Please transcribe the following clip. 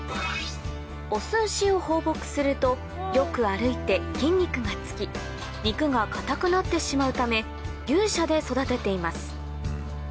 オス牛を放牧するとよく歩いて筋肉がつき肉がかたくなってしまうため牛舎で育てています